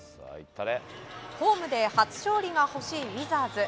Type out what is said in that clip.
ホームで初勝利が欲しいウィザーズ。